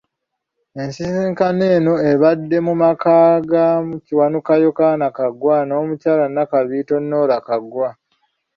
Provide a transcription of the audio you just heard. Ensisinkano eno ebadde mu maka ga Kiwanuka Yokana Kaggwa n'omukyala Nakabiito Norah Kaggwa.